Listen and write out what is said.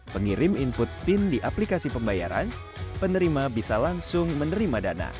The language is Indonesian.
pengirim input pin di aplikasi pembayaran penerima bisa langsung menerima dana